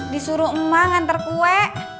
disuruh emang ngantar kue